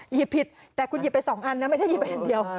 หยิบผิดแต่คุณหยิบไป๒อันนะไม่ได้หยิบอันเดียว